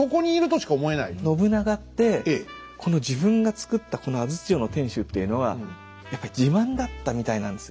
信長ってこの自分がつくったこの安土城の天主というのはやっぱり自慢だったみたいなんです。